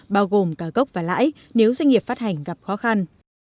bao gồm cả gốc và lãi nếu doanh nghiệp phát hành gặp khó khăn